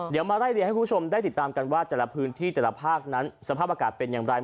เดี๋ยวมาไล่เรียงให้คุณผู้ชมได้ติดตามกันว่าแต่ละพื้นที่แต่ละภาคนั้นสภาพอากาศเป็นอย่างไร